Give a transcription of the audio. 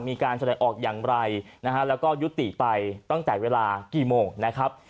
มีการแสดงออกอย่างไรนะฮะแล้วก็ยุติไปตั้งแต่เวลากี่โมงนะครับ